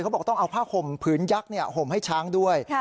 บอกต้องเอาผ้าห่มผืนยักษ์ห่มให้ช้างด้วย